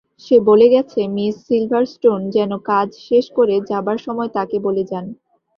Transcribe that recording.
সে বলে গেছে Miss Silverstone যেন কাজ শেষ করে যাবার সময় তাকে বলে যান।